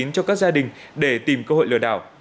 cho các gia đình để tìm cơ hội lừa đảo